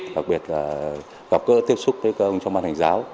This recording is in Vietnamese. đặc biệt là gặp gỡ tiếp xúc với các ông trong ban hành giáo